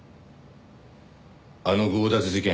あの強奪事件